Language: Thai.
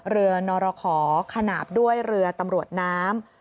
เรือนรขอขนาบด้วยเรือตำรวจน้ำ